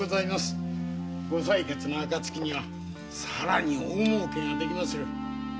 ご採決の暁には更に大儲けができまする。